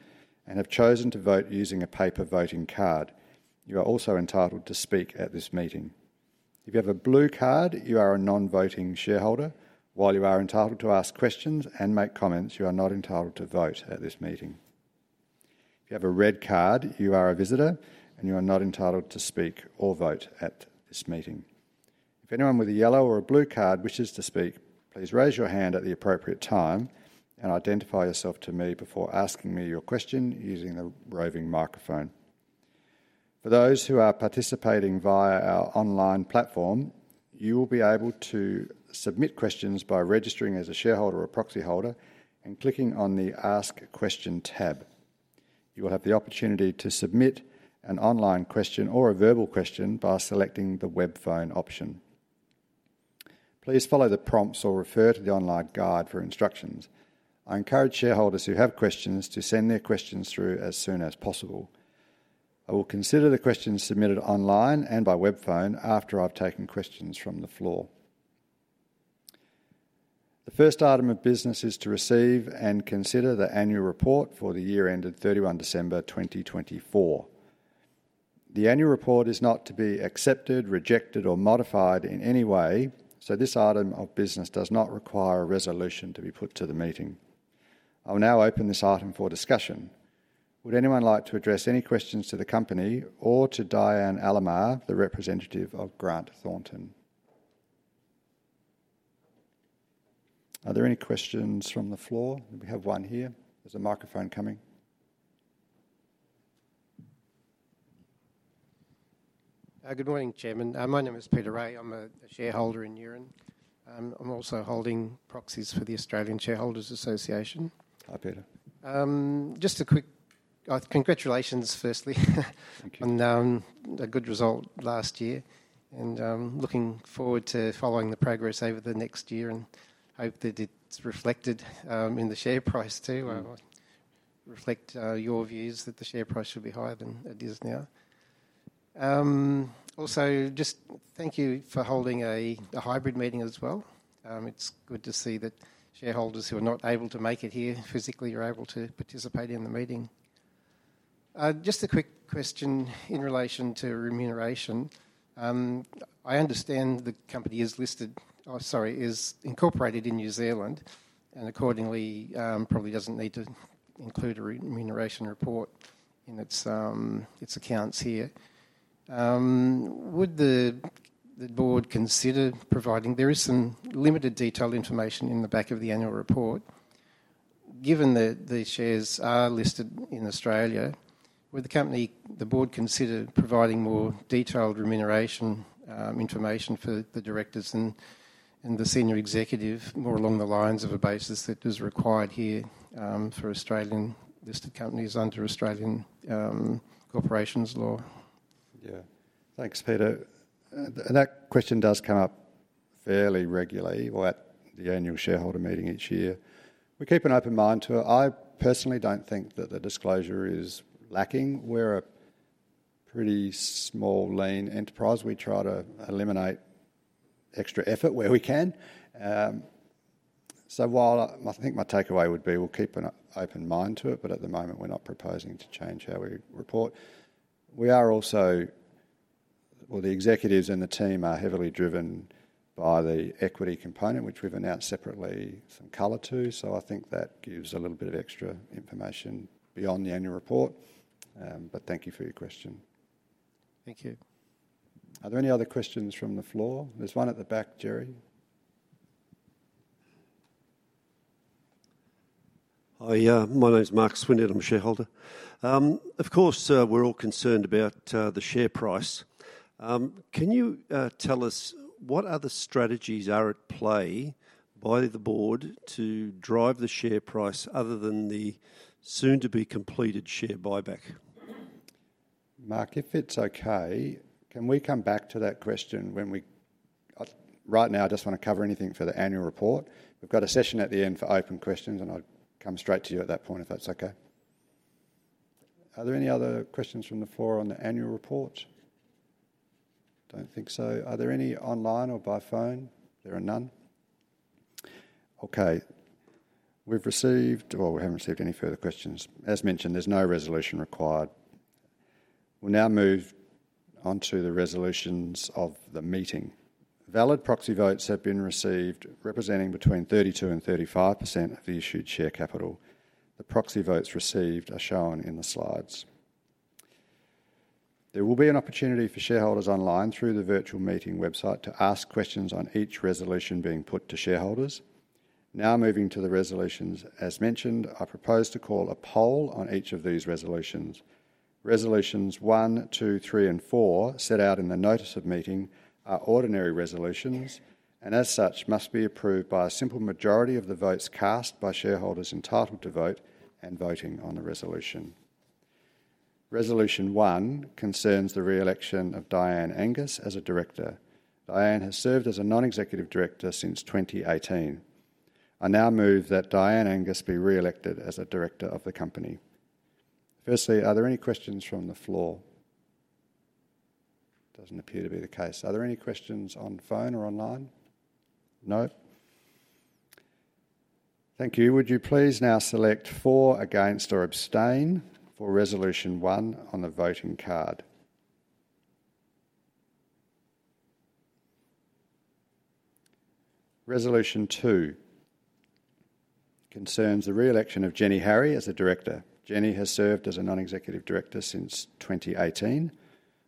and have chosen to vote using a paper voting card. You are also entitled to speak at this meeting. If you have a blue card, you are a non-voting shareholder. While you are entitled to ask questions and make comments, you are not entitled to vote at this meeting. If you have a red card, you are a visitor, and you are not entitled to speak or vote at this meeting. If anyone with a yellow or a blue card wishes to speak, please raise your hand at the appropriate time and identify yourself to me before asking me your question using the roving microphone. For those who are participating via our online platform, you will be able to submit questions by registering as a shareholder or proxy holder and clicking on the Ask Question tab. You will have the opportunity to submit an online question or a verbal question by selecting the webphone option. Please follow the prompts or refer to the online guide for instructions. I encourage shareholders who have questions to send their questions through as soon as possible. I will consider the questions submitted online and by webphone after I've taken questions from the floor. The first item of business is to receive and consider the annual report for the year ended 31 December 2024. The annual report is not to be accepted, rejected, or modified in any way. This item of business does not require a resolution to be put to the meeting. I'll now open this item for discussion. Would anyone like to address any questions to the company or to Diane Angus, the representative of Grant Thornton. Are there any questions from the floor? We have one here. There's a microphone coming. Good morning, Chairman. My name is Peter Wray. I'm a shareholder in Neuren. I'm also holding proxies for the Australian Shareholders Association. Hi, Peter. Just a quick congratulations firstly. Thank you. And a good result last year. Looking forward to following the progress over the next year and hope that it's reflected in the share price too. I reflect your views that the share price should be higher than it is now. Also, just thank you for holding a hybrid meeting as well. It's good to see that shareholders who are not able to make it here physically are able to participate in the meeting. Just a quick question in relation to remuneration. I understand the company is listed, sorry, is incorporated in New Zealand and accordingly probably does not need to include a remuneration report in its accounts here. Would the board consider providing? There is some limited detailed information in the back of the annual report. Given that the shares are listed in Australia, would the company, the board consider providing more detailed remuneration information for the directors and the senior executive more along the lines of a basis that is required here for Australian listed companies under Australian corporations law? Yeah. Thanks, Peter. That question does come up fairly regularly at the annual shareholder meeting each year. We keep an open mind to it. I personally do not think that the disclosure is lacking. We are a pretty small, lean enterprise. We try to eliminate extra effort where we can. While I think my takeaway would be we'll keep an open mind to it, at the moment, we're not proposing to change how we report. We are also, well, the executives and the team are heavily driven by the equity component, which we've announced separately some color to. I think that gives a little bit of extra information beyond the annual report. Thank you for your question. Thank you. Are there any other questions from the floor? There's one at the back, Geyear rry. Hi, my name's Mark Swindon. I'm a shareholder. Of course, we're all concerned about the share price. Can you tell us what other strategies are at play by the board to drive the share price other than the soon-to-be-completed share buyback? Mark, if it's okay, can we come back to that question when we, right now, I just want to cover anything for the annual report. We've got a session at the end for open questions, and I'll come straight to you at that point if that's okay. Are there any other questions from the floor on the annual report? Don't think so. Are there any online or by phone? There are none. Okay. We've received, or we haven't received any further questions. As mentioned, there's no resolution required. We'll now move on to the resolutions of the meeting. Valid proxy votes have been received representing between 32-35% of the issued share capital. The proxy votes received are shown in the slides. There will be an opportunity for shareholders online through the virtual meeting website to ask questions on each resolution being put to shareholders. Now moving to the resolutions, as mentioned, I propose to call a poll on each of these resolutions. Resolutions one, two, three, and four set out in the notice of meeting are ordinary resolutions and as such must be approved by a simple majority of the votes cast by shareholders entitled to vote and voting on the resolution. Resolution one concerns the re-election of Diane Angus as a director. Diane has served as a non-executive director since 2018. I now move that Diane Angus be re-elected as a director of the company. Firstly, are there any questions from the floor? Doesn't appear to be the case. Are there any questions on phone or online? No? Thank you. Would you please now select for, against, or abstain for resolution one on the voting card? Resolution two concerns the re-election of Jenny Harry as a director. Jenny has served as a non-executive director since 2018.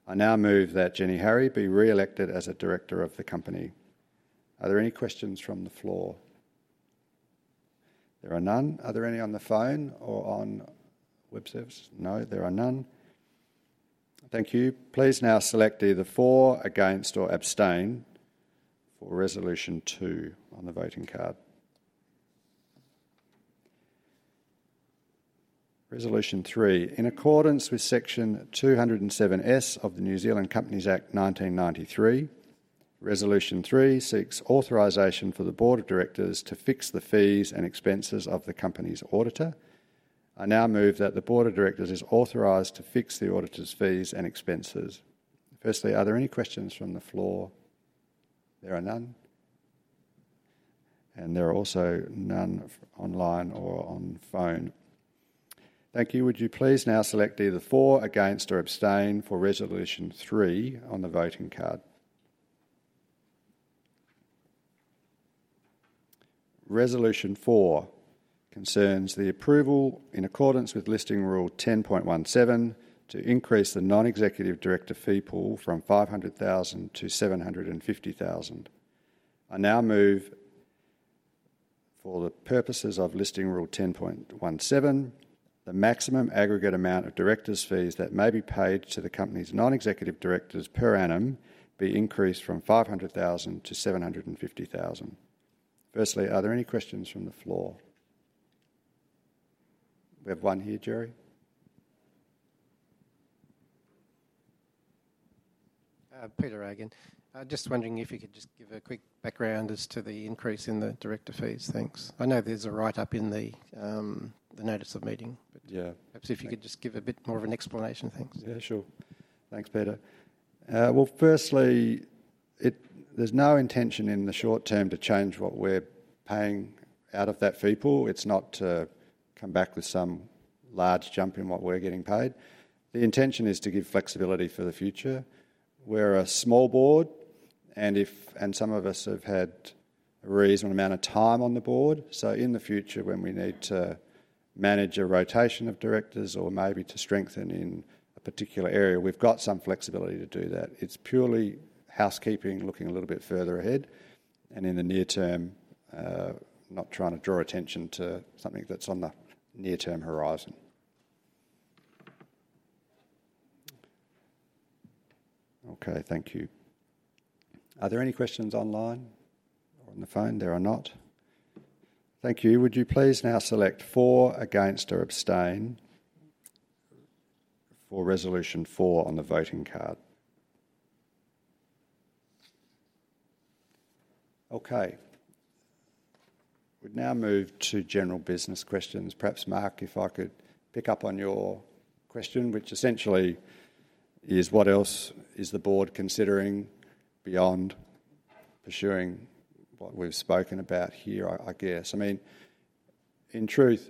I now move that Jenny Harry be re-elected as a director of the company. Are there any questions from the floor? There are none. Are there any on the phone or on web services? No, there are none. Thank you. Please now select either for, against, or abstain for resolution two on the voting card. Resolution three. In accordance with section 207S of the New Zealand Companies Act 1993, resolution three seeks authorization for the board of directors to fix the fees and expenses of the company's auditor. I now move that the board of directors is authorized to fix the auditor's fees and expenses. Firstly, are there any questions from the floor? There are none. There are also none online or on phone. Thank you. Would you please now select either for, against, or abstain for resolution three on the voting card? Resolution four concerns the approval in accordance with listing rule 10.17 to increase the non-executive director fee pool from 500,000 to 750,000. I now move for the purposes of listing rule 10.17, the maximum aggregate amount of director's fees that may be paid to the company's non-executive directors per annum be increased from 500,000 to 750,000. Firstly, are there any questions from the floor? We have one here, Gerry. Peter Wray, again. Just wondering if you could just give a quick background as to the increase in the director fees. Thanks. I know there's a write-up in the notice of meeting, but perhaps if you could just give a bit more of an explanation, thanks. Yeah, sure. Thanks, Peter. Firstly, there's no intention in the short term to change what we're paying out of that fee pool. It's not to come back with some large jump in what we're getting paid. The intention is to give flexibility for the future. We're a small board, and some of us have had a reasonable amount of time on the board. In the future, when we need to manage a rotation of directors or maybe to strengthen in a particular area, we've got some flexibility to do that. It's purely housekeeping, looking a little bit further ahead and in the near term, not trying to draw attention to something that's on the near-term horizon. Okay, thank you. Are there any questions online or on the phone? There are not. Thank you. Would you please now select for, against, or abstain for resolution four on the voting card? Okay. We've now moved to general business questions. Perhaps, Mark, if I could pick up on your question, which essentially is, what else is the board considering beyond pursuing what we've spoken about here, I guess? I mean, in truth,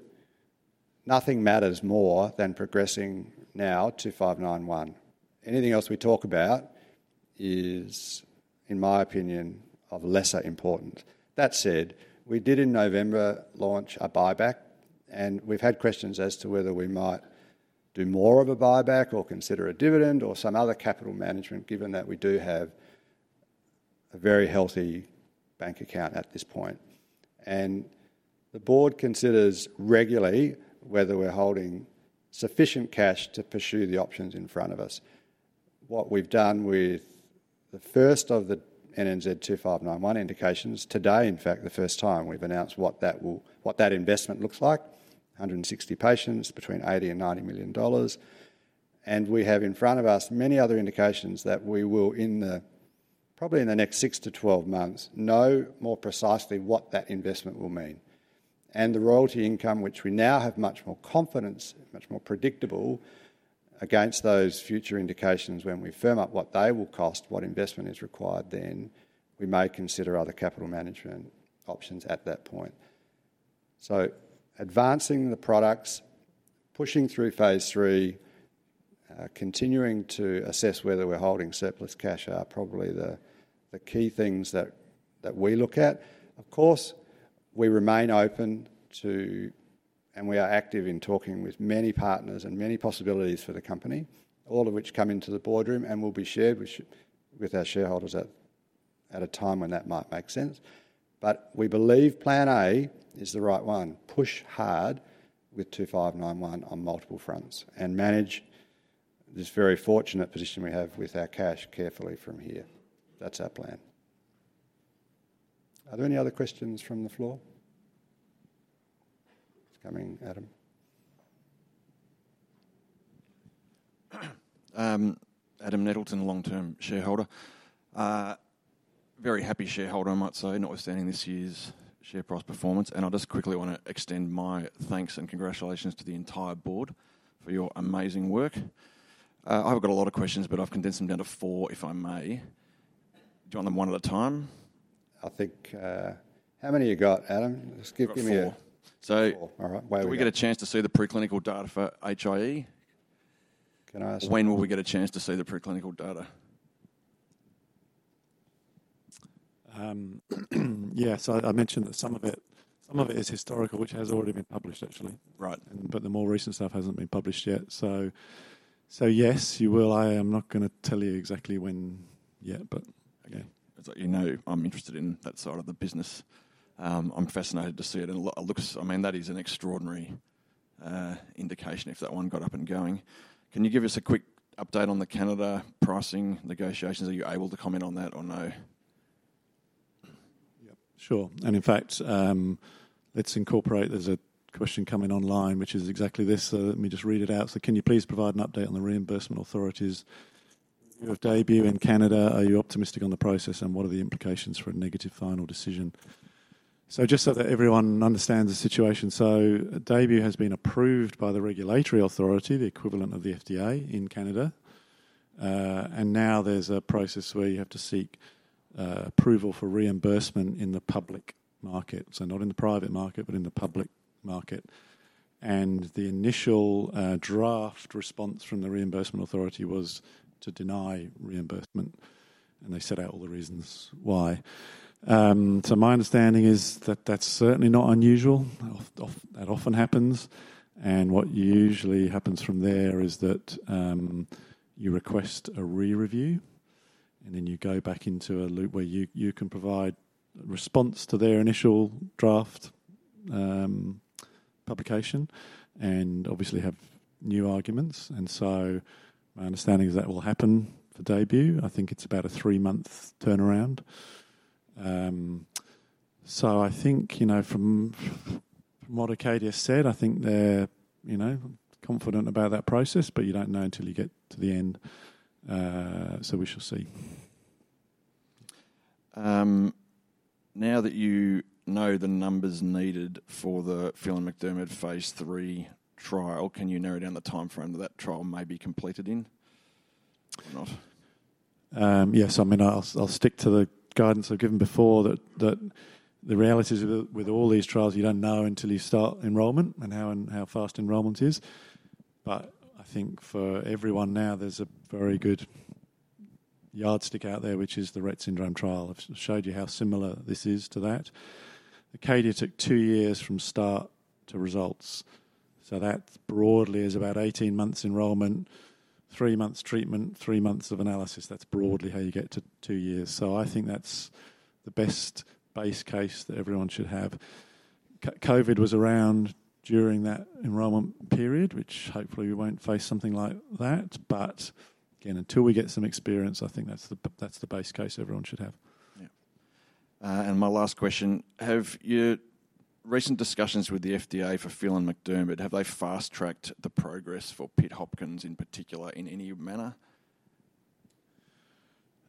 nothing matters more than progressing now to 591. Anything else we talk about is, in my opinion, of lesser importance. That said, we did in November launch a buyback, and we've had questions as to whether we might do more of a buyback or consider a dividend or some other capital management, given that we do have a very healthy bank account at this point. The board considers regularly whether we're holding sufficient cash to pursue the options in front of us. What we've done with the first of the NNZ-2591 indications today, in fact, the first time we've announced what that investment looks like, 160 patients between $80 million and $90 million. We have in front of us many other indications that we will, probably in the next 6 to 12 months, know more precisely what that investment will mean. The royalty income, which we now have much more confidence, much more predictable against those future indications when we firm up what they will cost, what investment is required then, we may consider other capital management options at that point. Advancing the products, pushing through phase three, continuing to assess whether we're holding surplus cash are probably the key things that we look at. Of course, we remain open to, and we are active in talking with many partners and many possibilities for the company, all of which come into the boardroom and will be shared with our shareholders at a time when that might make sense. We believe plan A is the right one. Push hard with 2591 on multiple fronts and manage this very fortunate position we have with our cash carefully from here. That is our plan. Are there any other questions from the floor? It is coming, Adam. Adam Nettleton, long-term shareholder. Very happy shareholder, I might say, notwithstanding this year's share price performance. I just quickly want to extend my thanks and congratulations to the entire board for your amazing work. I have got a lot of questions, but I have condensed them down to four, if I may. Do you want them one at a time? I think how many you got, Adam? Just give me a four. All right. We get a chance to see the preclinical data for HIE? Can I ask? When will we get a chance to see the preclinical data? Yeah, I mentioned that some of it is historical, which has already been published, actually. Right. The more recent stuff hasn't been published yet. Yes, you will. I am not going to tell you exactly when yet, but again. It's like, you know, I'm interested in that side of the business. I'm fascinated to see it. It looks, I mean, that is an extraordinary indication if that one got up and going. Can you give us a quick update on the Canada pricing negotiations? Are you able to comment on that or no? Yep. Sure. In fact, let's incorporate, there's a question coming online, which is exactly this. Let me just read it out. Can you please provide an update on the reimbursement authorities? Your DAYBUE in Canada, are you optimistic on the process and what are the implications for a negative final decision? Just so that everyone understands the situation, DAYBUE has been approved by the regulatory authority, the equivalent of the FDA in Canada. Now there's a process where you have to seek approval for reimbursement in the public market, not in the private market, but in the public market. The initial draft response from the reimbursement authority was to deny reimbursement, and they set out all the reasons why. My understanding is that that's certainly not unusual. That often happens. What usually happens from there is that you request a re-review and then you go back into a loop where you can provide a response to their initial draft publication and obviously have new arguments. My understanding is that will happen for DAYBUE. I think it is about a three-month turnaround. From what ACADIA said, I think they are confident about that process, but you do not know until you get to the end. We shall see. Now that you know the numbers needed for the Phelan-McDermid phase 3 trial, can you narrow down the timeframe that that trial may be completed in or not? Yes. I mean, I will stick to the guidance I have given before that the reality is with all these trials, you do not know until you start enrollment and how fast enrollment is. I think for everyone now, there's a very good yardstick out there, which is the Rett syndrome trial. I've showed you how similar this is to that. ACADIA took two years from start to results. That broadly is about 18 months enrollment, three months treatment, three months of analysis. That's broadly how you get to two years. I think that's the best base case that everyone should have. COVID was around during that enrollment period, which hopefully we won't face something like that. Again, until we get some experience, I think that's the base case everyone should have. Yeah. My last question. Have your recent discussions with the FDA for Phelan-McDermid, have they fast-tracked the progress for Pitt-Hopkins in particular in any manner?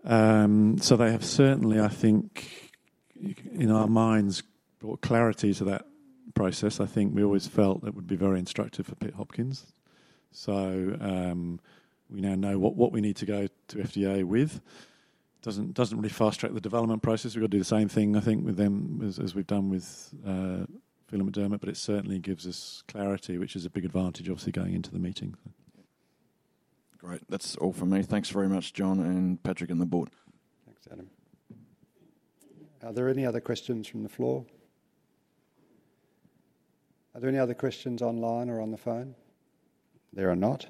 They have certainly, I think, in our minds, brought clarity to that process. I think we always felt that would be very instructive for Pitt-Hopkins. So we now know what we need to go to FDA with. It does not really fast-track the development process. We have got to do the same thing, I think, with them as we have done with Phelan-McDermid, but it certainly gives us clarity, which is a big advantage, obviously, going into the meeting. Great. That is all for me. Thanks very much, Jon and Patrick and the board. Thanks, Adam. Are there any other questions from the floor? Are there any other questions online or on the phone? There are not.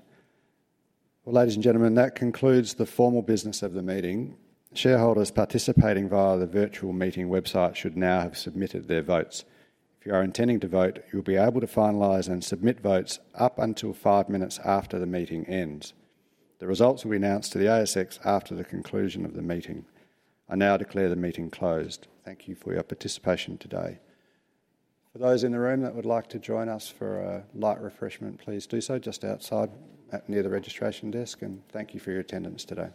Ladies and gentlemen, that concludes the formal business of the meeting. Shareholders participating via the virtual meeting website should now have submitted their votes. If you are intending to vote, you will be able to finalize and submit votes up until five minutes after the meeting ends. The results will be announced to the ASX after the conclusion of the meeting. I now declare the meeting closed. Thank you for your participation today. For those in the room that would like to join us for a light refreshment, please do so just outside near the registration desk. Thank you for your attendance today.